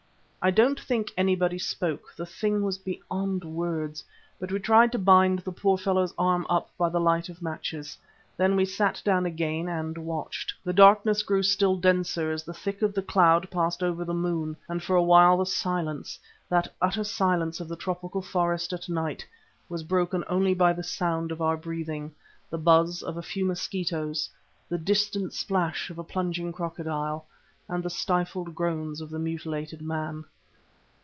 I don't think anybody spoke; the thing was beyond words, but we tried to bind the poor fellow's arm up by the light of matches. Then we sat down again and watched. The darkness grew still denser as the thick of the cloud passed over the moon, and for a while the silence, that utter silence of the tropical forest at night, was broken only by the sound of our breathing, the buzz of a few mosquitoes, the distant splash of a plunging crocodile and the stifled groans of the mutilated man.